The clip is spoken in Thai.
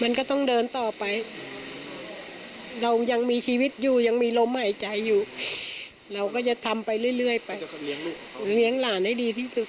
มันก็ต้องเดินต่อไปเรายังมีชีวิตอยู่ยังมีลมหายใจอยู่เราก็จะทำไปเรื่อยไปเลี้ยงหลานให้ดีที่สุด